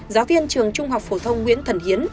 giáo viên trường trung học phổ thông nguyễn thần hiến